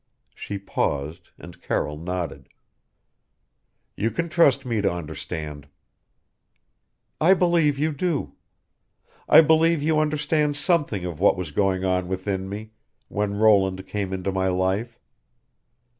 She paused and Carroll nodded. "You can trust me to understand." "I believe you do. I believe you understand something of what was going on within me when Roland came into my life.